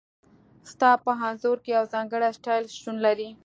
ستا په انځور کې یو ځانګړی سټایل شتون لري